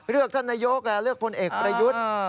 ท่านนายกเลือกพลเอกประยุทธ์